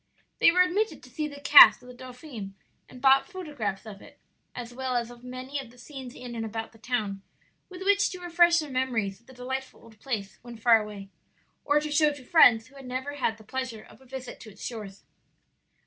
They were admitted to see the cast of the dauphin and bought photographs of it, as well as of many of the scenes in and about the town, with which to refresh their memories of the delightful old place when far away, or to show to friends who had never had the pleasure of a visit to its shores.